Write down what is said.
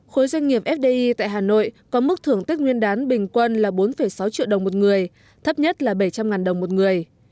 khối doanh nghiệp fdi tại hà nội có mức thưởng tết nguyên đán bình quân là bốn sáu triệu đồng một người thấp nhất là bảy trăm linh đồng một người